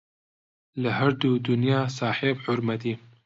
لە هەردوو دونیا ساحێب حورمەتی